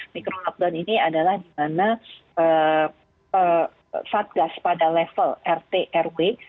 mikro lockdown ini adalah di mana satgas pada level rt rw